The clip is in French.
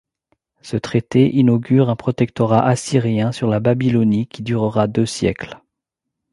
Ce traité inaugure un protectorat Assyrien sur la Babylonie qui durera deux siècles.